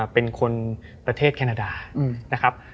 เป็นคนประเทศแคนาดานะครับ